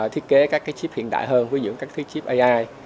thiết kế các cái chip hiện đại hơn với những cái chip ai